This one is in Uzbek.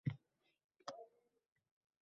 Bu inson ilk va yagona muhabbatim edi